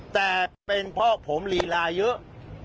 แต่เป็นเพราะผมลีลาเยอะ